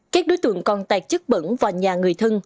các đối tượng còn tạt chức bẩn vào nhà người thân